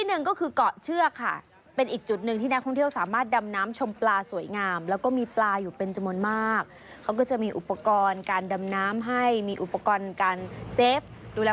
อือมนุษย์ไปเที่ยว